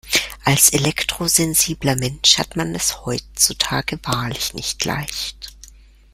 Als elektrosensibler Mensch hat man es heutzutage wahrlich nicht leicht.